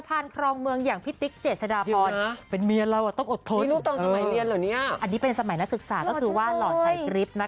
อันนี้เป็นสมัยนักศึกษาก็คือว่าหล่อใช้กริปนะคะ